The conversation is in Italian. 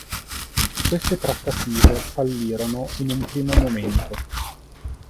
Queste trattative fallirono in un primo momento.